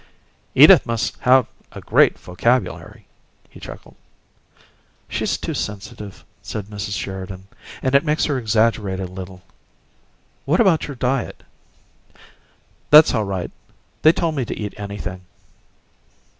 "Edith must have a great vocabulary!" he chuckled. "She's too sensitive," said Mrs. Sheridan, "and it makes her exaggerate a little. What about your diet?" "That's all right. They told me to eat anything."